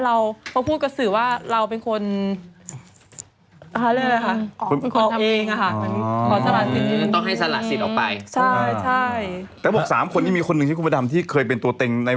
ถ้าพระรั้งนี้ไม่ครอบไม่ได้อะไรก็หยุดแล้ว